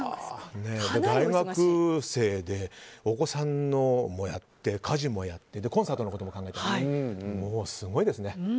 大学生でお子さんのこともやって家事もやってコンサートのことも考えてもうすごいですね。